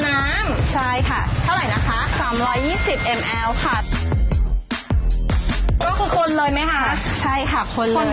คือสิ่งที่ทำให้กล้วยทอตติดดาวไม่เหมือนใคร